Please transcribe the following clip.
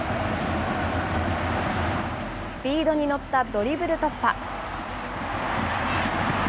スピードに乗ったドリブル突破。